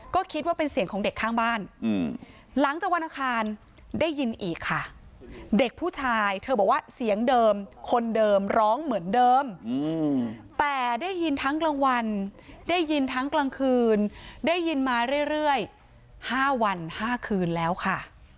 ก็คิดว่าเป็นเสียงของเด็กข้างบ้านหลังจากวันอังคารได้ยินอีกค่ะเด็กผู้ชายเธอบอกว่าเสียงเดิมคนเดิมร้องเหมือนเดิมแต่ได้ยินทั้งกลางวันได้ยินทั้งกลางคืนได้ยินมาเรื่อย๕วัน๕คืนแล้วค่ะ